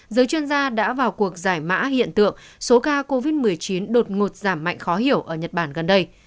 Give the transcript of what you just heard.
giới chuyên gia đã vào cuộc giải mã hiện tượng số ca covid một mươi chín đột ngột giảm mạnh khó hiểu ở nhật bản gần đây